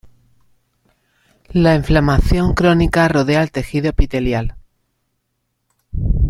La inflamación crónica rodea el tejido epitelial.